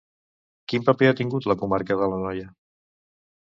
Quin paper ha tingut a la comarca de l'Anoia?